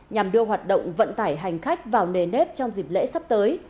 nhằm đưa hoạt động vận tải hành khách vào nề nếp trong dịp lễ sắp tới